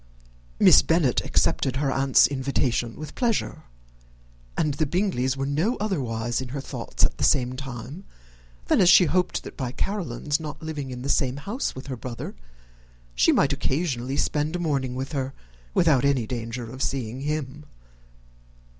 Miss Bennet accepted her aunt's invitation with pleasure; and the Bingleys were no otherwise in her thoughts at the same time than as she hoped, by Caroline's not living in the same house with her brother, she might occasionally spend a morning with her, without any danger of seeing him.